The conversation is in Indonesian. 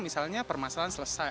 misalnya permasalahan selesai